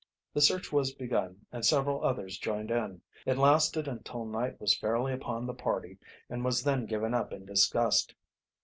The search was begun, and several others joined in. It lasted until night was fairly upon the party and was then given up in disgust.